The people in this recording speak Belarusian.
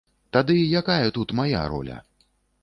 Тады якая тут мая роля?